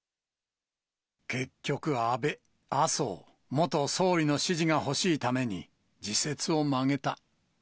結局、安倍、麻生元総理の支持が欲しいために、自説を曲げた。